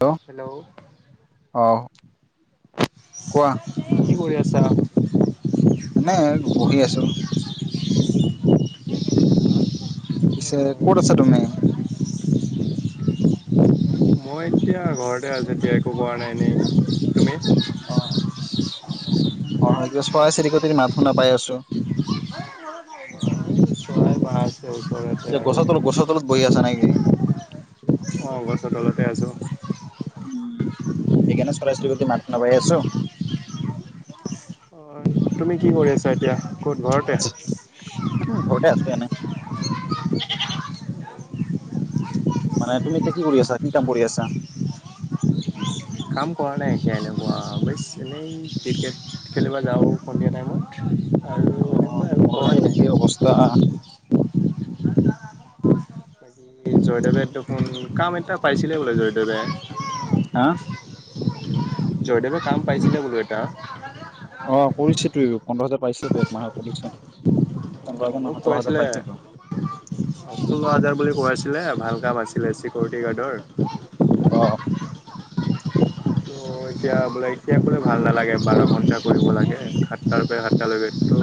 Hello অৱ, কোৱা চা এনে বহি আছো। পিছে ক'ত আছা তুমি? মই এতিয়া ঘৰতে আছো এতিয়া একো কৰা নাই এনে, তুমি অ' অ চৰাই চিৰিকটিৰ মাত শুনা পাই আছো। এই [unintelligible] ওচৰতে কিবা আৰু, গছৰ তলত গছৰ তলত বহি আছা নেকি অৱ গছৰ তলতে আছোঁ। চিৰিকটি মাত শুনা পাই আছো। অ তুমি কি কৰি আছা এতিয়া! ক'ত ঘৰতে? উম, ঘৰতে আছো এনে [unintelligible] মানে তুমি এতিয়া কি কৰি আছা কি কাম কৰি আছা? কাম কৰা নাই এতিয়া, এনেকুৱা বাছ এনেই ক্ৰিকেট খেলিবা যাওঁ সন্ধিয়া টাইমত আৰু অ অ এনেকুৱাই আৰু মোৰ কৰাই সেই নাই। একেই অৱস্থা। জয়দেৱেতুকুন কাম এটা পাইছিলে বোলে জয়দেৱে। হা জয়দেৱে কাম পাইছিলে বোলো এটা। অ কৰিছে তয়ো পোন্ধৰ হাজাৰ পাইছে বেগ মাহৰ কৰিছে অ পোন্ধৰ হাজাৰ নহয় মোক সোতৰ হাজাৰ কাইছিলে পাইছেতো ষোল্ল হাজাৰ বুলি কোৱাইছিলে আছিলে ভাল কাম আছিলে চিকিউৰিটি গাৰ্ডৰ অৱ [unintelligible] অঁ এতিয়া বোলে এতিয়া ক'লে ভাল নালাগে বাৰ ঘণ্টা কৰিব লাগে। সাতটাৰ পৰা সাতটালৈকে তো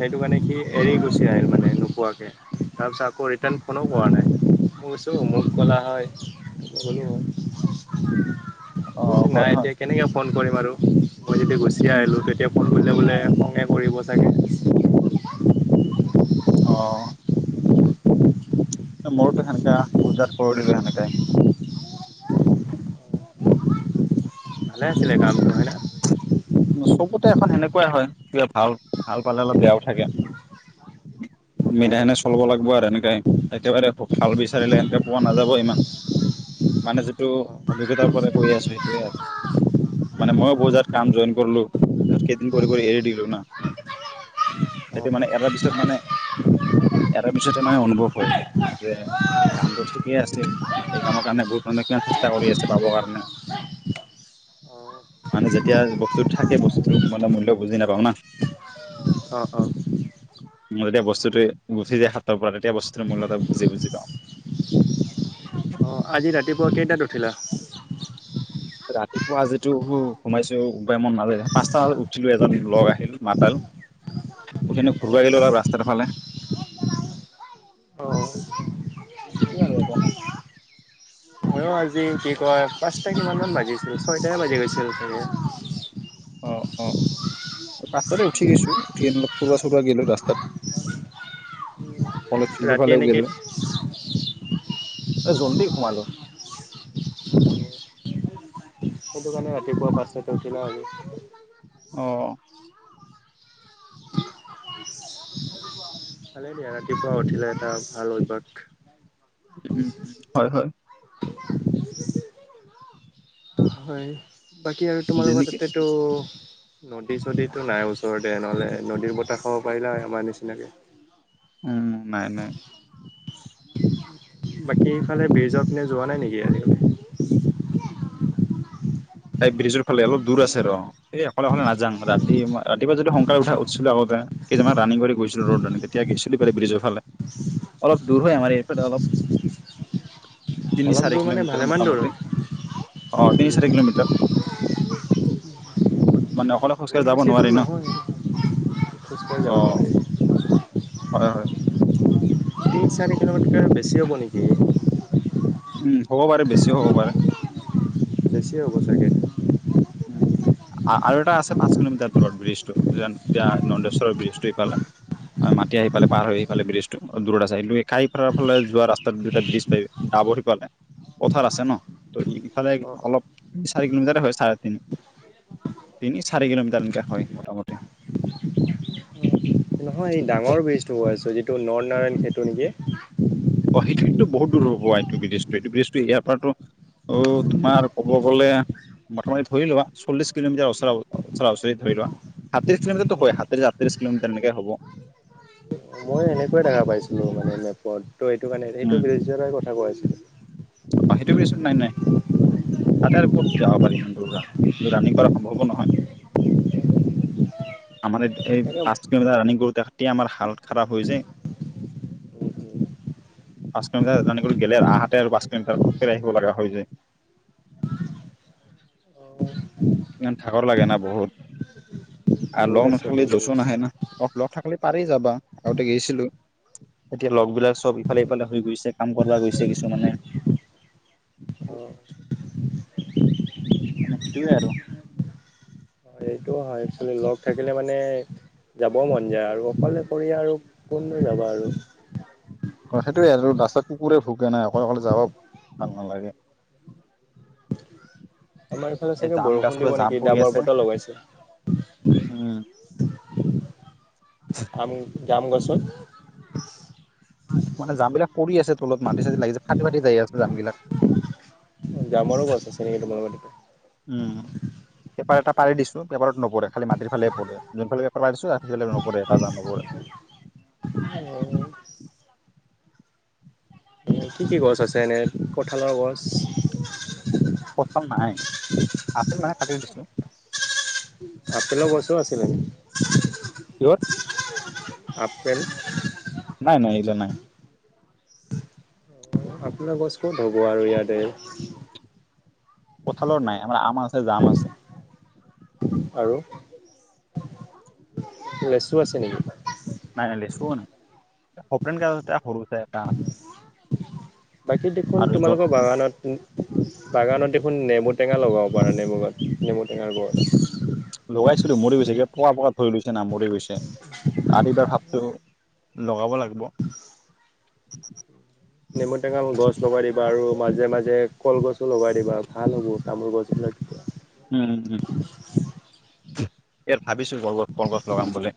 সেইটো কাৰণে কি এৰি গুছি আহিল মানে নোকোৱাকে তাৰপিছত আকৌ ৰিটাৰ্ণ ফোনো কৰা নাই মই কৈছোঁ মোক ক'লা হয়, গলো হয়। অ' [unintelligible] হয় নাই হয় এতিয়া কেনেকে ফোন কৰিম আৰু মই যেতিয়া গুচি উম আহিলো তেতিয়া ফোন বোলে বোলে খঙে কৰিব চাগে। অ মোৰতো সেনেকা বহুত জেগাত কৰি দিলো সেনেকাই ভালে আছিলে কামটো হয় না। চবতে এখন সেনেকুৱাই হয়, [unintelligible] ভাল ভাল পালে অলপ বেয়াও থাকে। মিলা হয় সনে একচুৱেলি চলাব লাগিব আৰু এনেকাই একেবাৰে ভাল বিচাৰিলে এনেকে পোৱা নাযাব ইমান। মানে যিটো অ' অভিজ্ঞতাৰ পৰা কৈ আছো সেইটোৱে আৰু মানে ময়ো বহুত অ' কাম জইন কৰলো। পিছত কেইদিন কৰি কৰি এৰি অ', দিলো হয়। না। সেইটো মানে এৰাৰ পিছত মানে এৰাৰ পিছতে মানে অনুভৱ হয় যে কামটো ঠিকেই আছিল এই কামৰ কাৰণে বহুত মানে কিমান চেষ্টা কৰি আছে পাব কাৰণে, মানে যেতিয়া [unintelligible] থাকে বস্তু মানে মূল্য বুজি নাপাওঁ না। অ অ ম যেতিয়া বস্তুটো গঠি যায় হাতৰ পৰা তেতিয়া বস্তুটোৰ মূল্য এটা বুজি বুজি পাওঁ। অঁ আজি ৰাতিপুৱা কেইটাত উঠিলা। ৰাতিপুৱা যিটো সোমাইছো উায় মন নাযায় পাঁচটাত উঠিলো এজন লগ আহিল মাতাল উখিনি ঘূুৰব গিলো আৰু ৰাস্তাৰ ফালে আৰু একো নাই। অ'। ময়ো আজি কি কয় পাঁচটা কিমানান বাজিছিলো ছয়টে বাজি গৈছিল। অ অ পস্ততে উঠি গৈছো উঠি আন অপ ফবা চুৰা গলো ৰাস্তাত কলেজ ফিল্ড ৰাতি ফালেও এনেকে গলো জলদি সুমালো সেইটো কাৰানে ৰাতি পুৱোৱা পচনে তে উতি নি অ ভালেই দিয়া ৰাতিপুৱা উঠিলে এটা ভাল অভ্যাস। উ উম উম হয় হয়। হয় বাকী আৰু তোমালোকৰ দেৰিকে তাতেটো নদী চদীতটো নাই ওচৰতে নহ'লে নদীৰ বতাহ খাব পাৰিলে আমাৰ নিচিনাকৈ। উম নাই নাই বাকী ইফালে ব্ৰিজৰ পিনে যোৱা নাই নেকি আজি ত ব্ৰিজৰ ফালে অলপ দূৰ আছে ৰ এই অকলে অকলে নাজ যা ৰাতিই কেতিয়াবা যদি সংস উঠা উঠিছিলো আগতে কেইজনানমান ৰানিং কৰি গৈছিলো ৰ'দ ৰানি তেতিয়া গ চি পেলাই ব্ৰিজৰ ফালে অলপ দূৰ হয় আমাৰ এইফালে অল। তিনি অলপ চাৰে দূৰ মানে কিলোমিটাৰ ভালেমান দূৰ হয় মোটামুটি অ তিনি চাৰে কিলোমিটাৰ [inaudible] মানে অক বহুত বেছি দূৰ নহয়। খোজকাঢ়ি যাব অ' নোৱাৰি হয় হয় তিনি চাৰি কিলোমিটাৰকৈ বেছি হ'ব নেকি? উম হ'ব পাৰে বেছিও হ'ব পাৰে। বেছি হ'ব চাগে। উম আৰু এটা আছে পাঁচ কিলোমিটাৰ দূৰত ব্ৰিজটো যে এতিয়া নন্দেশ্বৰৰ ব্ৰিজটো ইফালে মাটি আহিফালে পাৰ হৈ আহিফালে ব্ৰিজটো দূৰত আছে সাই ফালে যোৱা ৰাস্তাত দুটা ব্ৰিজ পাই ডাবৰ সিফালে পথাৰ আছে ন ত ইফালে অ অ অলপ চাৰ কিলোমিাৰ হয় ছাৰ [unintelligible] তিনি চাৰি কিলোমিটাৰ এনেকে হয় মোটামুটি নহয় এই ডাঙৰ বীজটোও আছে। যিটো নন নাৰায়ণ সেইটো নেকি? অহিক্ষীতটো বহু দূৰ হ'বোৱা। এই ব্ৰিজটো এইটো ব্ৰিজটো ইয়াৰ পৰা তোমাৰ ক'ব গ'লে মোটামুিৰি ধৰিলোৱা চল্লিশ কিলোমিটাৰ ওচ ওচৰা ওচৰি ধৰি লোৱা সাত্ৰিশ কিলোমিটাৰ ওচৰা-ওচৰি হয় সাত্ৰিশ আঠত্ৰিশ কিলোমিটাৰ এনেকে হ'ব। মই এনেকুৱয় দেখা পাইছিলো মানে নেপত ত' এইটো কাৰে উম, সেইটো বিৰধ দ কথা কোৱায় অ', সেইটো পিছত নাই নাই তাতে আৰু ক'ত যাব পাৰি আাৰ [unintelligible] এই, তাকে উম পাঁচ কিলোমিটাৰ ৰানিং কৰোতে তেতিয়া আমাৰ হাল খাৰাপ হৈ যায়। উম পাঁচ কিলোমিটাৰ ৰানিং কৰি গেলে আহহাতে আৰু পাচঁ [unintelligible] াৰ সখ আহিব লগা হৈ যায়, অ ইমান ঢাকৰ লাগে না বহুত আৰু দূৰ লগ আছে নাথাকিলে বহুত জচ দূৰ আছে। নাহে না, অ' লগ থাকিলে পাৰি যাবা, আগতে গৈছিলো। এতিয়া লগ বিলাক চব ইফালে ইফালে হৈ গৈছে কাম কৰ গৈছে কিছুমানে অঁ। মানে সেইটোৱে আৰু। এইটো হয়, একোৱেল লগ থাকিলে মানে, যাব মন যায়, আৰু অকলে কৰি, আৰু কোন যাবা আৰু। সেইটোোৱে [unintelligible] ৰাস্তা কুকুৰে ভোগে না, অকল অকলে যাব ভাল নালাগে। আমাৰ ইফালে এই চাগে জাম গাছৰ বৰষুণ দিব পৰা জাম নেকি, পৰি ডাবৰ আছে বতল লগাইছে, আমি যাম গছত মানে জাম বিলাক পৰি আছে তলত, মাটি চাটি লাগিছে, ফাটি ফাটি যাই আছে জাম বিলাক। জামাৰো গছ আছে নেকি তোমালোকৰ উম। তাতে? পেপাৰ এটা পাৰ দিছোঁ পেপাৰত নপৰে খালি মাটিৰ ফালে পৰে, যোন ফালে পাৰছো'আ হেফালে নপৰে, এটা জাম নপৰে অ [inaudible] এ'কি কি গছ আছে? এনে কঠালৰ গছ প্ৰথম নাই, আপেল মানে আ দিিছো [unintelligible] আপেলৰ গছো আছিলে। কিহত আপেল জনাই আপোনাৰ গছ ক'ত হ'ব আৰু ইয়াতে কঠালৰ নাই আমাৰ আম আছে জাম আছে। আৰু, লেচু আছে নেকি? নাই নাই লেচ নাই, [unintelligible] প সৰু আছে। বাকী দেখোন আৰু য তোমালোকৰ বাগানত, বাগানত দেখোন নেমু টেঙা লগাব পাৰে, নেমুৰ গছ, নেমু টেঙাৰ গছ। লগাইছিলো মৰি গৈছে কিবা পোক পোক লৈছে নাম মোৰ গৈছে অ', এইিবাৰ ভাবতেওঁ লগাব লাগিব। নেমু টেঙাল গছ লগাই দিবা আৰু মাজে মাজে কলগছো লগাই দিবা, ভাল হ'ব, তামোল গছ বিলাক উম', উম', উম। ইয়াত ভাবিছো ৰগছ কলগছ লগাম বুলি।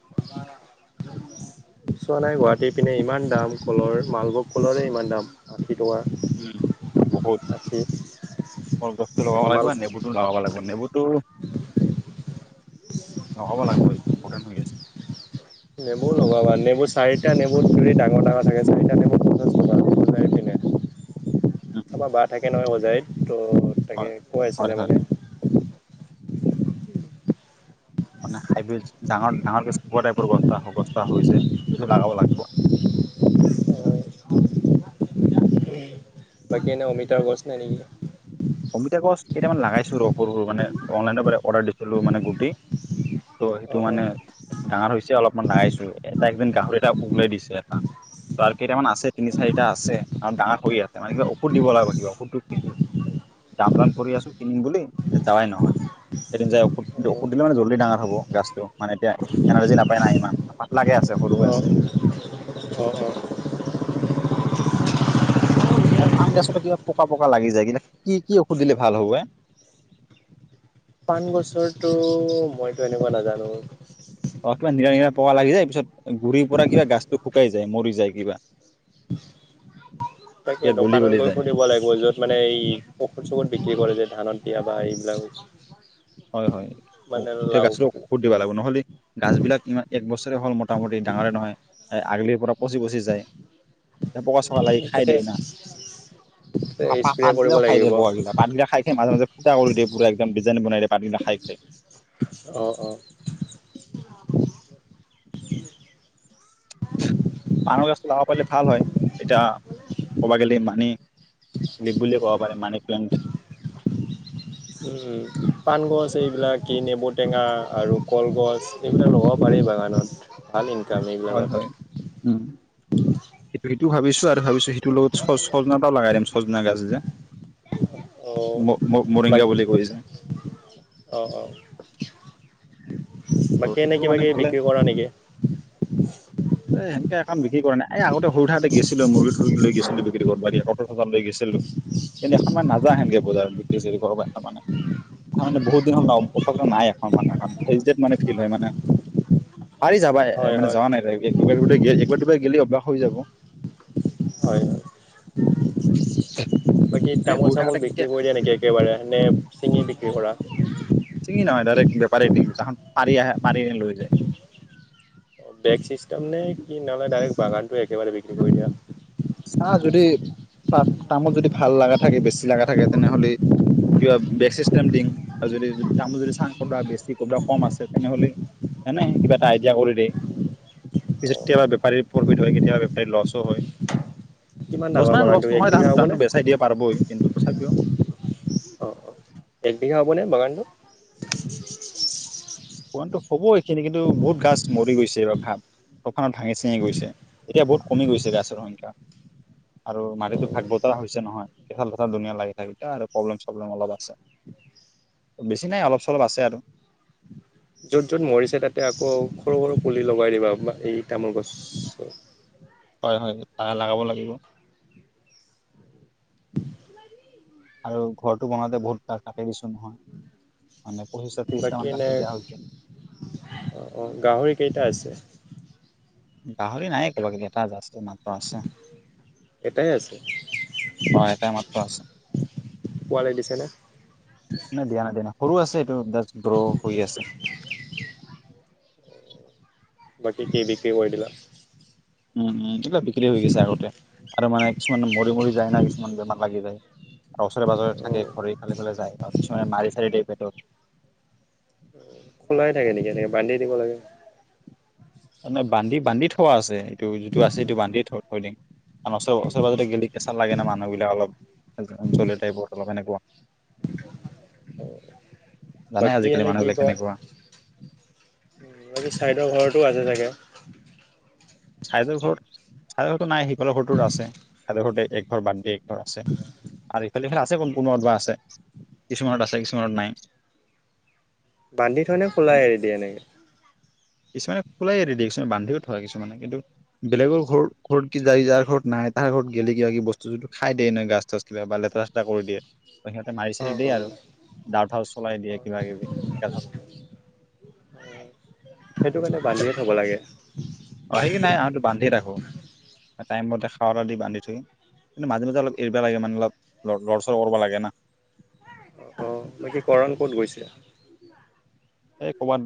চোৱা নাই গুৱাহাটী পিনে ইমান দাম কলৰ। মালভোগ কলৰে ইমান দাম। টকা উম বহুত, আশী কলগছটো লগাব লাগিব, মাল নেবুটো লগাব লাগিব, নেবুটো। লগাব লাগিব। ইম্পৰ্টেন হৈ আছে। নেমু লগবা। নেমুৰ চাৰিটা নেমু ধুৰি ডাঙৰ ডাঙৰ থাকে চাৰিটা নেমুই পিনে। উম, আমাৰ বা থাকে নহয় যাই। ত' হয়। তাকে হয়, কোৱাইছিলে হয় মানে। মানে হাইবিছ ডাঙৰ ডাঙৰকৈ চপৰ টাইপৰ গছটা গছতা হৈ যায় সেইটো লগাব লাগিব। বাকী এনেই অমিতাৰ গছ নাই নেকি? অমিতা গছ কেইটামান লাগাইছো ৰ, সৰু সৰু মানে অনলাইনৰ পৰা অৰ্ডাৰ দিছিলো মানে গুটি। ত' সেইটো অঁ মানে ডাঙৰ হৈছে। অলপমান দাঙাইছো এটা একদিন গাহৰি এটা উওলাই দিছে এটা। ত আৰু কেইটামান আছে তিনি চাৰিটা আছে আৰু ডাঙৰ কৰি আছে মানে কিবা ঔষধ দিব লাগিব কিবা ঔষধটো। যাম যাম কৰি আছো কিনিম বুলি, যাৱাই নহয়। এদিন যাই ঔষধ অঁ ঔষধ দিলে মানে জল্দি ডাঙৰ হ'ব গাছটো, মানে এতিয়া এনাৰ্জি নাপায় নাই ইমান পাতলাকে আছে সৰু হৈ অঁ অঁ অঁ অঁ আছে। আৰু পান গেছতে কিবা পকা পকা লাগি যায়। কিন্তু কি কি ঔষধ দিলে ভাল হ'ব এ। পাণ গছৰটো মইতো এনেকুৱা নাজানো। অ', কিবা প লাগি যায় পিছত। গুৰি পৰা কিবা গাছটো শুকাই যায়, মৰি যায় কিবা। তাকে কিবা গলি দোকানত গলি গৈ যায় সুধিব লাগিব য'ত মানে এই ঔষধ চৌখধ বিক্ৰী কৰে যে ধানত কেতিয়াবা এইবিলাক। হয় হয়। মানে এতিয়া লাও গাছটো ঔষুধ দিব লাগিব নহলে গাছ বিলাক ইমান এক বছৰে হ'ল মোটামুটি ডাঙৰে নহয়। আগলি পৰক পচি পচি যায়। পয়োৱা চকা লাগি খাই তাতে দিয়ে না। তাপা স্প্ৰে কৰিব আগগিলাও খাই দিয়ে লাগিব বগাগিলা আগগিলা খাই খাই মাজে মাজে। টাউলডে পোৰা একদম ডিজাইন বনাই দে। পানী নাখাইছে। অ', অ। পান গছটো লগাব পাৰিলে ভাল হয়। এতিয়া ক'ব গ'লে মানি, লীপ বুলিও ক'ব পাৰে। মানি প্লেণ্ট উম, পাণ গছ এইবিলাক কি নেমু টেঙা, আৰু কলগছ এইবিলাক লগাব পাৰি বাগানত। ভাল ইন হয় হয়, উম সেটো ত ভাবিছো আৰু ভাবিছো তো লগত সজনা টা লাগা দিম সজনা গাজ যে। অ' মৰিংগা বাকী বুলি কৈছে। অ' অ' বাকী এনেই কিবা কিবি বিক্ৰী কৰা নেকি? এ সেনকে এখন বিক্ৰী কৰা নাই। এই আগতে সৰু থাকোঁতে গৈছিলো মুৰ্গী ঠুৰ্গী লৈ গৈছিলো বিক্ৰী দিব। বাৰি ক চ লৈ গৈছিলো। কিন্তু এখন ম‌ই নাযাও সেনেকে বজাৰত বিক্ৰী ছিকি কৰবা। তাৰ মানে, তাৰ মানে বহুত দিন নব ওখ ক নিয়ে এখন এখন সেৰিজেত মানে। ফিল হয় মানে, পাৰি যাবা হয় মানে হয় যোৱা নাইগাৰ গ'লে অ [unintelligible] হৈ যাব হয় হয় বাকী মানে তামোল সৰু চামোল থাকোতে বিক্ৰী কেতিয়া কৰি দিয়া নেকি একেবাৰে এনেে চিঙি বিক্ৰী কৰা ছিঙি নহয় ডাইৰেক্ট বেপাৰী দিমখন পাৰি আহে পাৰি লৈ যায়। বেগ চিষ্টম নে কি নহ'লে ডাইৰেক্ট বাগানটো একেবাৰে বিক্ৰী কৰি দিয়া। চা যদি তামোল যদি ভাল লগা থাকে বেছি লগা থাকে তেনেহলে কিবা বেগচিষ্টেম দিম আৰু যদি তামোল যদি চাং কৰবা বেছি ক'ব কম আছে তেনেহলে হনেে কিবা এটা আইডিয়া কৰি দিয়ে পিছত অ' কেতিয়াবা বেপাৰীৰ প্ৰফিট হয় কেতিয়াবা বেপাৰী লছো হয়। কিমান লছ ডাঙৰ মানে লছ বাগানটো এক নহয় ত বিঘা তো হ'বনে? বেচাই দিয়ে পাৰবই কিন্তু তথাপিও অ অ এক বিঘা হ'বনে বাগানটো? পুৰণটো হ'ব এইখিনি কিন্তু বহুত গছ মৰি গৈছে এইবাৰ ভাত তফানত ভাঙি চিঙি গৈছে এতিয়া বহুত কমি গৈছে গছৰ সংখ্যা আৰু মাটিতো ভাগ বতৰা হৈছে নহয় কঁকাল ভঁথাল ধুনীয়া লাগি থাকতে আৰু প্ৰব্লেম চব্লেম অলপ আছে বেছি নাই অলপ চলপ আছে আৰু যত য'ত মৰিছে তাতে আকৌ সৰু সৰু পুলি লগাই দিবা এই তামোল গছ হয় হয় লগাব লাগিব আৰু ঘৰটো বনাওঁতে বহুত ক কাকে দিছো নহয় মানে পঁচিছটা ত্ৰিশটা বাকী মান এনে কাটি দিয়া হৈছে। অ গাহৰি কেইটা আছে। গাহৰি নায় ক'বাকেইি এটা যাছ মাত্ৰ আছে এটাই আছে অ এটাই মাত্ৰ আছে পোৱালি দিছে নে নাই দিয়া নাই দি ন সৰু আছে এইটো ব্ৰ হৈ আছে বাকী কি বিক্ৰী কৰি দিলা উম এটো কা বিক্ৰী হৈ গৈছে আগতে আৰু মানে কিছুমান মৰি মৰি যায় ন কিছুমান বেমাৰ লাগি যায় আৰু ওচৰে পাজৰে অ থাকে ঘৰে খালে পেললে যায় আৰু শু মাৰ চ দেপেটো খোলাই থাকে নেকি এনেকে বান্ধি দিব লাগে নে বান্ধি বান্ধি থোৱা আছে এইটো যিটো আছে সিটো বান্ধি থ থৈ দিম ন ওচৰে পাজতে গেলি কেঁচা লাগে ন মানুহবিলাক অলপ জ্বলে টাইপৰ অলপ এনেকুৱা- জানাই বাকী আজিকালি এনে কি মানুহবিলাক কয় কেনেকুৱা। চাইদৰ ঘৰতো আছে চাগে- চাইদ ঘৰ চাইদে ঘৰতটো নাই - বলে ঘৰটো আছে ততে ঘতে এক ঘৰ বাদ দে এক ঘৰ আছে আৰু ইফালে ইফালে আছে ক কোনবত বা আছে কিছুমানত আছে কিছুমানত নাই। বান্ধি থোৱা নে খোলাই এৰি দিয়ে এনেকে কিছুমানে খোলাই এৰি দিয়ে আৰু কিছুমানে বান্ধি থয় কিছুমানে- কিন্তু বেলেগৰ ঘ ঘৰত কি য যাৰ ঘৰত নাই তাৰ ঘৰত গেলে কিবা বস্তুটো খাই দিয়ে নহয় গছ চাছ কিবা বা লেতেৰা চেতেৰা কৰি দিয়ে। সিহঁতে মাৰি অ চাৰি দিয়ে অ আৰু অ ডাউ চাও চলাই দিয়ে কিবা কিবি সেনেকা। সেইটো কাৰণে বান্ধিয়ে থ'ব লাগে অ সেই কি নাই আহতটো বান্ধি থাকো। টাইমতে খাৱা দি বান্ধি থৈ কিন্তু মাজে মাজে অলপ এৰিব লাগে মানে অলপ লৰ চৰ কৰিব লাগে না। অ বে কি কৰণ কত গৈছে। এ কবাত